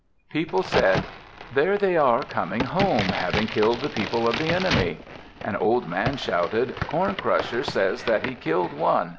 People said, "There they are coming home, having killed the people of the enemy." An old man shouted: "Corn Crusher says that he killed one.